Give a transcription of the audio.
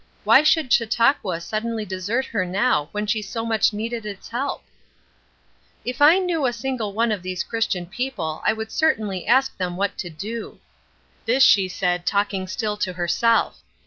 Why should Chautauqua suddenly desert her now when she so much needed its help? "If I knew a single one of these Christian people I would certainly ask them what to do." This she said talking still to herself.